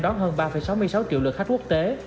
đón hơn ba sáu mươi sáu triệu lượt khách quốc tế